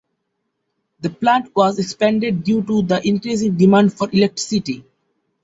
The plant was expanded due to the increasing demand for electricity.